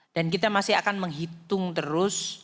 dan kita masih akan menghitung terus